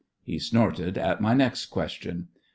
He snorted at my next question.